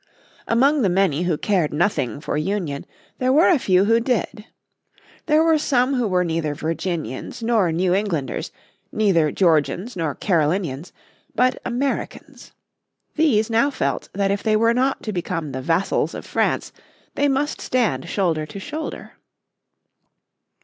Among the many who cared nothing for union there were a few who did. There were some who were neither Virginians nor New Englanders, neither Georgians nor Carolinians, but Americans. These now felt that if they were not to become the vassals of France they must stand shoulder to shoulder.